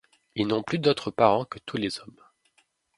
Ils n’ont plus d’autres parents que tous les hommes.